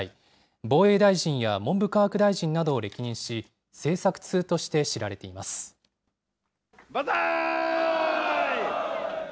防衛大臣や文部科学大臣などを歴任し、政策通として知られていま万歳。